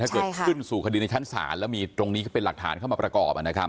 ถ้าเกิดขึ้นสู่คดีในชั้นศาลแล้วมีตรงนี้ก็เป็นหลักฐานเข้ามาประกอบ